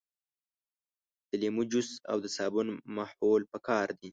د لیمو جوس او د صابون محلول پکار دي.